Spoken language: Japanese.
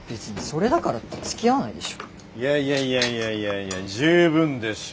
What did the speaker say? いやいやいやいやいやいや十分でしょ。